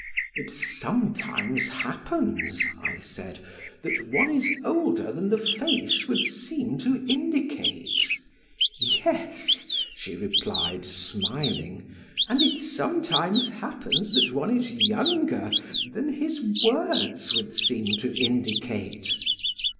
"It sometimes happens," I said, "that one is older than the face would seem to indicate." "Yes," she replied, smiling, "and it sometimes happens that one is younger than his words would seem to indicate."